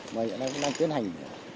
và hiện nay cũng đang tiến hành